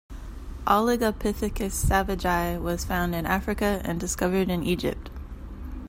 "Oligopithecus savagei" was found in Africa and discovered in Egypt.